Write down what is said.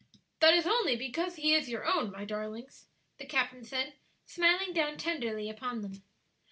"That is only because he is your own, my darlings," the captain said, smiling down tenderly upon them.